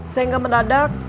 saya gak menadak